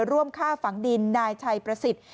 ร่วมฆ่าฝังดินนายชัยประสิทธิ์